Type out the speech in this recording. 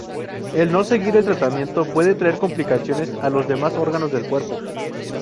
El no seguir el tratamiento puede traer complicaciones a los demás órganos del cuerpo.